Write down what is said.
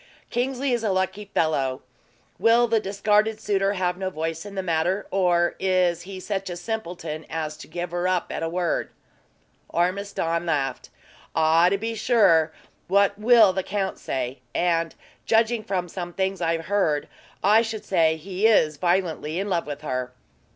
"Kingsley is a lucky fellow. Will the discarded suitor have no voice in the matter; or is he such a simpleton as to give her up at a word?" Ormiston laughed. "Ah! to be sure; what will the count say? And, judging from some things I've heard, I should say he is violently in love with her."